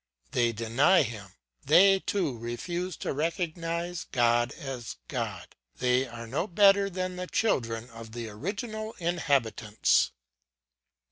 They deny him; they too refuse to recognise God as God. They are no better than the children of the original inhabitants.